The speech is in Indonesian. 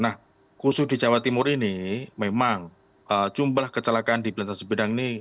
nah khusus di jawa timur ini memang jumlah kecelakaan di pintu perlintasan bedang ini